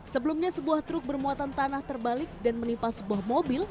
sebelumnya sebuah truk bermuatan tanah terbalik dan menimpa sebuah mobil